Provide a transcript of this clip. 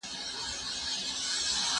تا چي ول دا سړی به رښتیا وایي